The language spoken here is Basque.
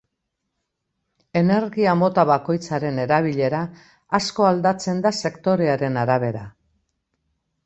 Energia-mota bakoitzaren erabilera asko aldatzen da sektorearen arabera.